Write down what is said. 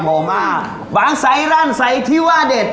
โปรมาบางไซรั่งไซที่ว่าเด็ด